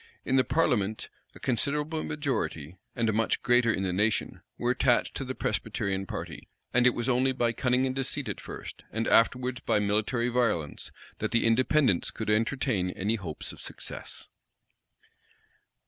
In the parliament, a considerable majority, and a much greater in the nation, were attached to the Presbyterian party; and it was only by cunning and deceit at first, and afterwards by military violence, that the Independents could entertain any hopes of success.